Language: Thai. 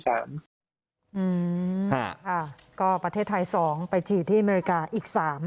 ค่ะก็ประเทศไทย๒ไปฉีดที่อเมริกาอีก๓